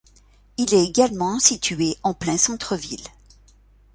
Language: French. Il est également situé en plein centre ville.